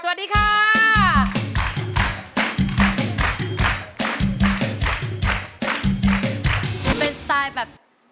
เป็นสไตล์แบบ